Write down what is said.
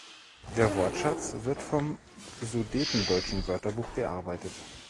Der Wortschatz wird vom Sudetendeutschen Wörterbuch bearbeitet.